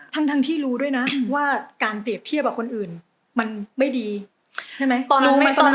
ทั้งที่รู้ด้วยนะว่าการเปรียบเทียบกับคนอื่นมันไม่ดีใช่ไหม